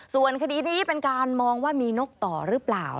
ส่วนคดีนี้เป็นการมองว่ามีนกต่อหรือเปล่า